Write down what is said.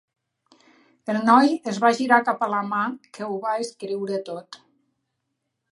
El noi es va girar cap a la mà que ho va escriure tot.